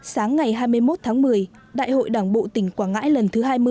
sáng ngày hai mươi một tháng một mươi đại hội đảng bộ tỉnh quảng ngãi lần thứ hai mươi